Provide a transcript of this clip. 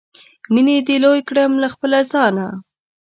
مینې دې لوی کړم له خپله ځانه